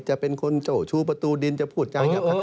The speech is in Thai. จะเป็นคนโชว์ชูประตูดินจะพูดอย่างไร